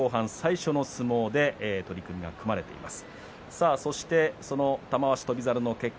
その玉鷲、翔猿後半最初の相撲で取組が組まれています。